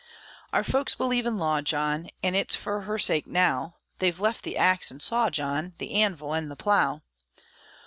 Our folks believe in Law, John; An' it's fer her sake, now, They've left the axe an' saw, John, The anvil an' the plough.